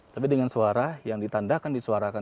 tapi dengan suara yang ditandakan disuarakan